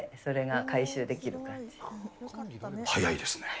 早いですね。